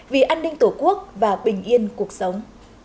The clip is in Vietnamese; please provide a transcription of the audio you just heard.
vì an ninh tổ quốc và bình yên cuộc sống